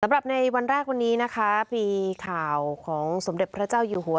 สำหรับในวันแรกวันนี้นะคะมีข่าวของสมเด็จพระเจ้าอยู่หัว